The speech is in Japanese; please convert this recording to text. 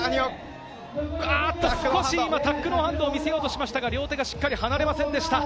少し今、タックノーハンドを見せようとしましたが、両手がしっかり離れませんでした。